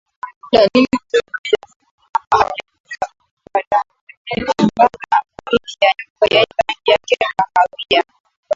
Dalili muhimu kwa mnyama aliyekufa kwa ndigana baridi ni nyongo yenye rangi ya kahawia